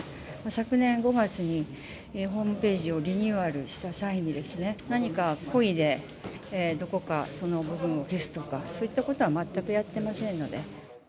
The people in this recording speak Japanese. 昨年５月に、ホームページをリニューアルした際に、何か故意でどこかその部分を消すとか、そういったことは全くやってませんので。